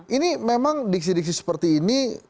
ini memang diksi diksi seperti ini